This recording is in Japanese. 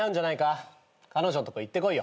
彼女んとこ行ってこいよ。